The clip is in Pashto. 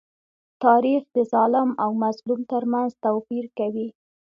تاریخ د ظالم او مظلوم تر منځ توپير کوي.